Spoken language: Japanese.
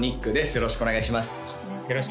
よろしくお願いします